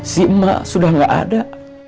si emak sudah gak ada